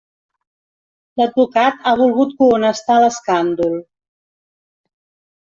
L'advocat ha volgut cohonestar l'escàndol.